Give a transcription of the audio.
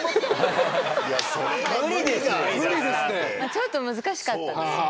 ちょっと難しかった。